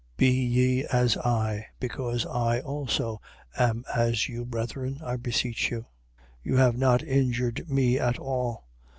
4:12. Be ye as I, because I also am as you brethren, I beseech you. You have not injured me at all.